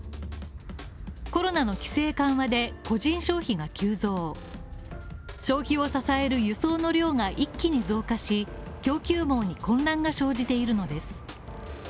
コロナの規制緩和で個人消費が急増、消費を支える輸送の量が一気に増加し、供給網に混乱が生じているのです。